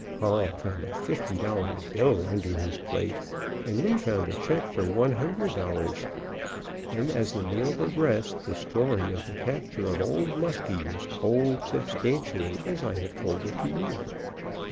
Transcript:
Carl found a fifty dollar bill under his plate, and Lee found a check for one hundred dollars. And as the meal progressed, the story of the capture of Old Muskie was told substantially as I have told it to you.